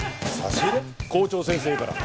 校長先生から。